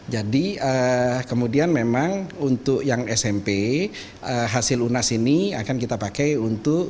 jadi kemudian memang untuk yang smp hasil unas ini akan kita pakai untuk